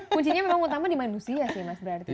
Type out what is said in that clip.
kuncinya memang utama di manusia sih mas berarti